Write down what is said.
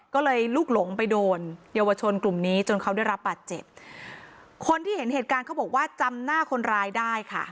ก็เลยลุกหลงไปโดนเยาวชนกลุ่มนี้จนเขาได้รับบาดเจ็บคนที่เห็นเหตุการณ์เขาบอกว่าจำหน้าคนร้ายได้ค่ะ